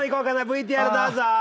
ＶＴＲどうぞ！